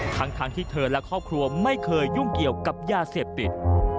ทั้งที่เธอและครอบครัวไม่เคยยุ่งเกี่ยวกับยาเสพติด